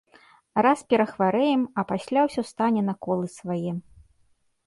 Раз перахварэем, а пасля ўсё стане на колы свае.